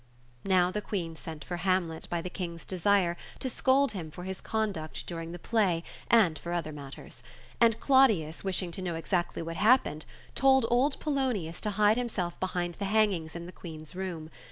Now the Queen sent for Hamlet, by the King's desire, to scold him for his conduct during the play, and for other matters; and Claudius wishing to know exactly what happened, told old Polonius to hide himself behind ±he hangings in the Queen's room.